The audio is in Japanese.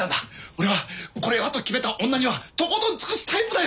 俺はこれはと決めた女にはとことん尽くすタイプだよ。